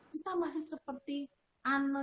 kita masih seperti anel yang dulu